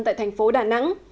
tại thành phố đà nẵng